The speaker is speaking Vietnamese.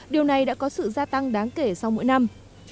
điều này đã có sự gia tăng đáng kể sau mỗi năm